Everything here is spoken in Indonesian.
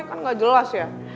kan gak jelas ya